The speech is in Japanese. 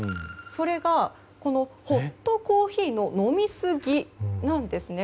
それが、ホットコーヒーの飲みすぎなんですね。